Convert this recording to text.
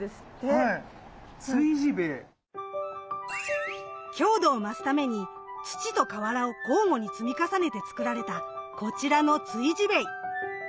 築地塀⁉強度を増すために土と瓦を交互に積み重ねて作られたこちらの築地塀。